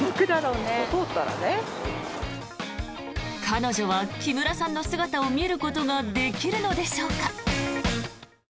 彼女は木村さんの姿を見ることができるのでしょうか。